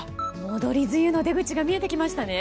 戻り梅雨の出口が見えてきましたね。